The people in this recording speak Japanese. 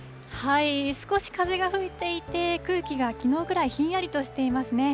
少し風が吹いていて、空気がきのうくらいひんやりとしていますね。